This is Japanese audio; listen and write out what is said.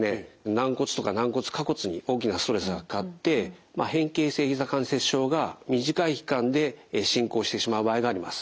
軟骨とか軟骨下骨に大きなストレスがかかって変形性ひざ関節症が短い期間で進行してしまう場合があります。